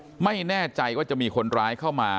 คือป้าไปดูครั้งแรกคิดว่าเขาเมาคือป้าไปดูครั้งแรกคิดว่าเขาเมา